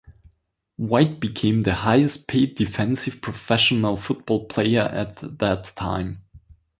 White became the highest paid defensive professional football player at that time.